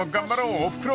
［おふくろ